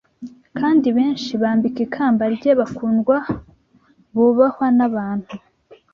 kandi benshi bambika ikamba rye, bakundwa, bubahwa n'abantu